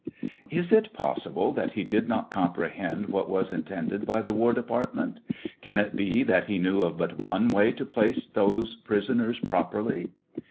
Is it pos.sible that he did not comprehend what was intended by the war department.? Can it be that he knew of but one way to place those prisoners properly